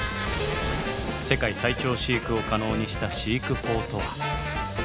世界最長飼育を可能にした飼育法とは？